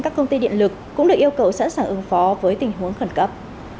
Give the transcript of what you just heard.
các công ty điện lực cũng được yêu cầu sẵn sàng ứng phó với tình huống khẩn cấp